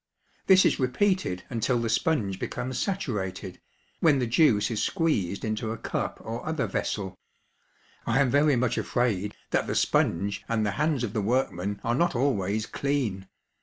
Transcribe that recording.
This is repeated until the sponge becomes saturated, when the juice is squeezed into a cup or other vessel. I am very much afraid that the sponge and the hands of the workman are not always clean.